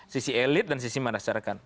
sisi elit dan sisi masyarakat